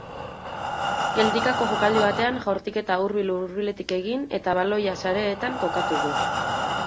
Geldikako jokaldi batean jaurtiketa hurbil-hurbiletik egin eta baloia sareetan kokatu du.